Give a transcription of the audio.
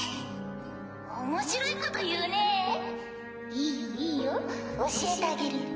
・・面白いこと言うねぇ・・いいよいいよ教えてあげる